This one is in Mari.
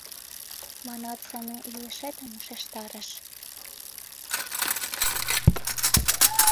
Манат, Сану илышетым ушештарыш.